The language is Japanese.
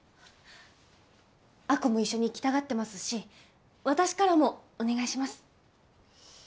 亜子も一緒に行きたがってますし私からもお願いします。